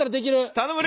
頼む！